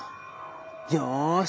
よし！